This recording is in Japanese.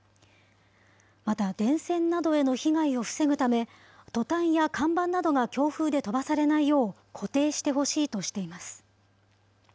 また電線などへの被害を防ぐため、トタンや看板などが強風で飛ばされないよう固定してほしいとしています。